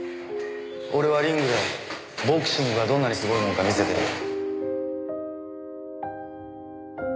俺はリングでボクシングがどんなにすごいものか見せてやる。